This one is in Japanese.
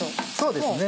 そうですね